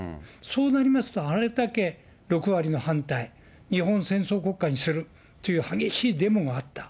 そうなりますと、あれだけ６割が反対、日本を戦争国家にする、激しいデモがあった。